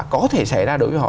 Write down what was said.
có thể xảy ra đối với họ